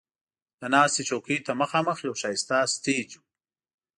د ناستې چوکیو ته مخامخ یو ښایسته سټیج و.